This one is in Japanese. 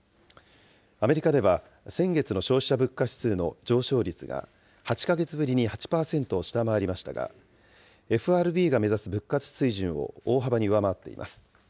アメリカでは、先月の消費者物価指数の上昇率が８か月ぶりに８％を下回りましたが、ＦＲＢが目指す物価水準を大幅に上回っています。